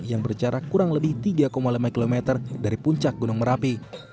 yang berjarak kurang lebih tiga lima km dari puncak gunung merapi